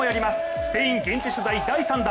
スペイン現地取材第３弾。